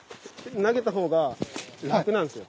投げたほうが楽なんですよ。